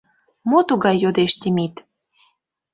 Мо тугай? — йодеш Темит.